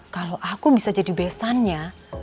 kalau aku bisa jadi besannya